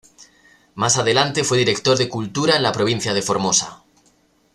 Más adelante fue director de Cultura en la provincia de Formosa.